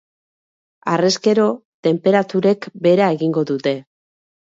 Harrezkero, tenperaturek behera egingo dute.